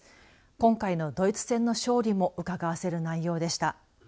今回のドイツ戦の勝利もうかがわせる内容でした。